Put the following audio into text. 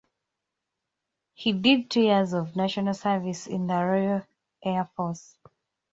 He did two years of national service in the Royal Air Force.